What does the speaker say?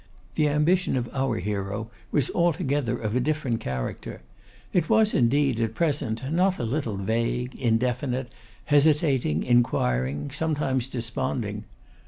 The ambition of our hero was altogether of a different character. It was, indeed, at present not a little vague, indefinite, hesitating, inquiring, sometimes desponding.